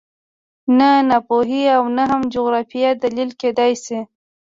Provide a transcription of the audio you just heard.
نه ناپوهي او نه هم جغرافیه دلیل کېدای شي